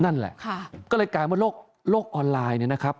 นั่นแหละก็เลยกลายเป็นว่าโลกออนไลน์